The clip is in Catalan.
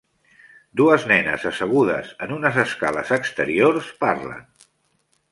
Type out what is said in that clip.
Dues nenes assegudes en unes escales exteriors parlen.